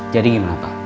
jadi ini apa pak